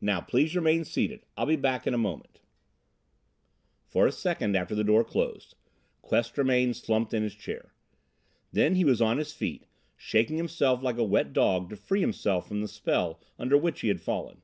Now please remain seated; I'll be back in a moment." For a second after the door closed, Quest remained slumped in his chair. Then he was on his feet, shaking himself like a wet dog to free himself from the spell under which he had fallen.